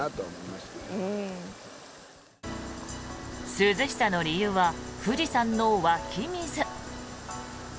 涼しさの理由は富士山の湧き水。